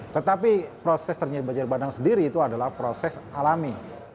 tetapi proses terjadi banjir bandang sendiri itu adalah proses alami